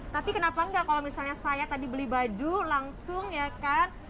tapi kenapa enggak kalau misalnya saya tadi beli baju langsung ya kan